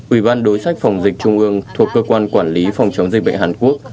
ủy ban đối sách phòng dịch trung ương thuộc cơ quan quản lý phòng chống dịch bệnh hàn quốc